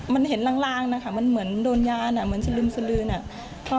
มันเห็นลางนะคะมันเหมือนโดนยาสลืม